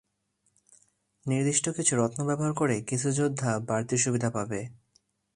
নির্দিষ্ট কিছু রত্ন ব্যবহার করে কিছু যোদ্ধা বাড়তি সুবিধা পাবে।